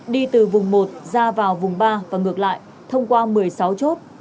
đi từ vùng một ra vào vùng ba và ngược lại thông qua một mươi sáu chốt